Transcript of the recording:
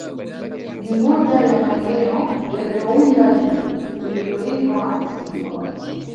Ni moja ya maeneo yaliyounda Jimbo lililoitwa ziwa